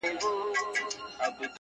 درېيمه مانا توليد کړي